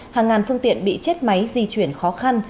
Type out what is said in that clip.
hàng ngàn phương tiện bị chết máy di chuyển khó khăn